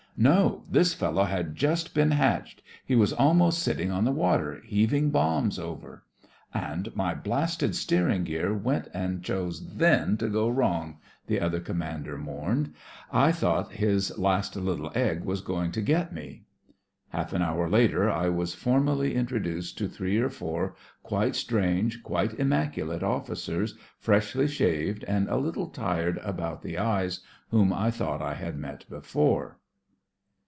"No! This fellow had just been hatched. He was almost sitting on the water, heaving bombs over." "And my blasted steering gear went and chose then to go wrong," the other commander mourned. "I thought his last little egg was going to get me!" Half an hour later I was formally in troduced to three or four quite strange, quite immaculate oflBcers, freshly shaved, and a little tired about the eyes, whom I thought I had met before.